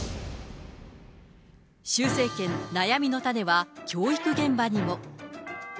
習政権悩みのタネは、教育現場にも。